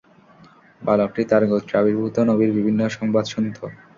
বালকটি তার গোত্রে আবির্ভূত নবীর বিভিন্ন সংবাদ শুনত।